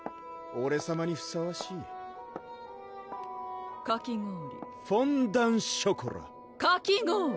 オレさまにふさわしいかき氷フォンダンショコラかき氷